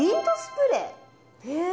へえ。